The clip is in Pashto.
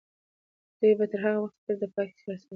دوی به تر هغه وخته پورې د پاکۍ خیال ساتي.